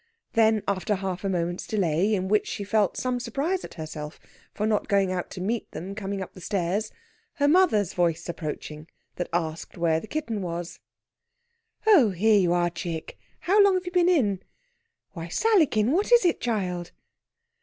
Then, after half a moment's delay, in which she felt some surprise at herself for not going out to meet them coming up the stairs, her mother's voice approaching, that asked where the kitten was. "Oh, here you are, chick! how long have you been in? Why, Sallykin! what is it, child?...